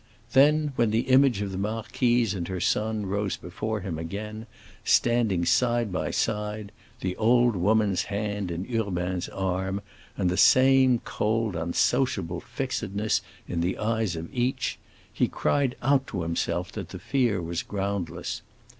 Then, when the image of the marquise and her son rose before him again, standing side by side, the old woman's hand in Urbain's arm, and the same cold, unsociable fixedness in the eyes of each, he cried out to himself that the fear was groundless.